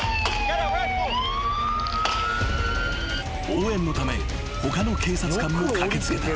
［応援のため他の警察官も駆け付けた］